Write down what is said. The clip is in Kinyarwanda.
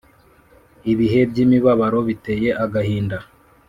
Ibihe by’imibabaro biteye agahinda,